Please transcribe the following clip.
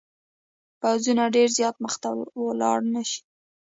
پوځونه ډېر زیات مخته ولاړ نه شي.